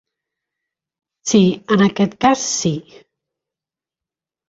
Si, en aquest cas sí.